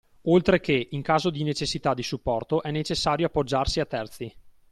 Oltre che, in caso di necessità di supporto, è necessario appoggiarsi a terzi.